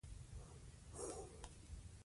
پښتو ژبه به هیڅکله ورکه نه شي.